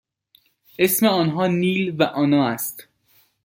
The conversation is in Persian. اسم آنها نیل و آنا است.